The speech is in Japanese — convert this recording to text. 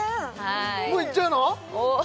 もういっちゃうの？